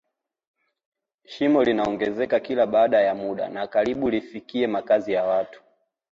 shimo linaongezeka kila baada ya muda na karibu lifikie makazi ya watu